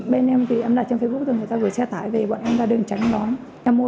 bên em thì em lại trên facebook rồi người ta gửi xe tải về bọn em ra đường tránh nó